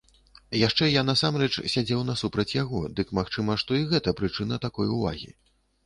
Яшчэ я насамрэч сядзеў насупраць яго, дык магчыма, што і гэта прычына такой увагі.